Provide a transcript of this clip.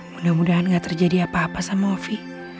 mudah mudahan gak terjadi apa apa sama ovi